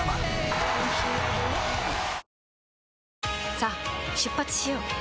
さあ出発しよう。